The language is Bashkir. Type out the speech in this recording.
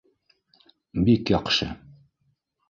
Бик яҡшы.